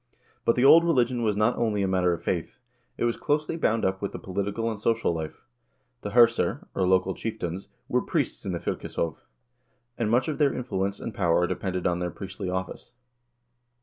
But the old religion was not only a matter of faith. It was closely bound up with the political and social life. The herser, or local chieftains, were priests in the fylkes hov, and much of their influence and power depended on their priestly office.